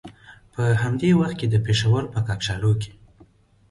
په همدې وخت کې د پېښور په کاکشالو کې.